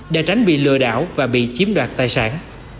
để tránh bị lừa đảo và bị chiếm đoạt tài sản